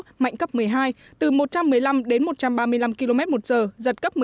bán kính gió mạnh từ cấp một mươi hai tức là từ một trăm một mươi năm đến một trăm ba mươi năm km một giờ giật cấp một mươi tám